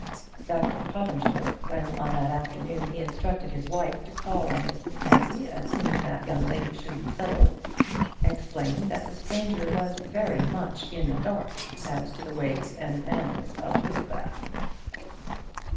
Dr Pottinger, when on that afternoon he instructed his wife to call on Miss Mackenzie as soon as that young lady should be settled, explained that the stranger was very much in the dark as to the ways and manners of Littlebath.